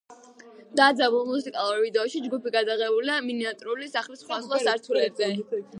დაძაბულ მუსიკალურ ვიდეოში ჯგუფი გადაღებულია მინიატურული სახლის სხვადასხვა სართულებზე.